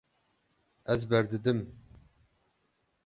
Ez berdidim.